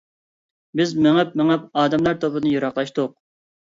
بىز مېڭىپ مېڭىپ ئادەملەر توپىدىن يىراقلاشتۇق.